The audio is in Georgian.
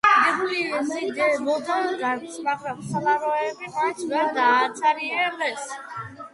დიდებული ეზიდებოდა განძს, მაგრამ სალაროები მაინც ვერ დააცარიელეს.